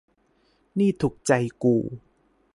นี่ถูกใจกู